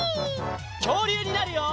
きょうりゅうになるよ！